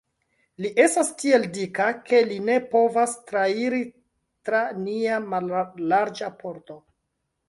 Li estas tiel dika, ke li ne povas trairi tra nia mallarĝa pordo.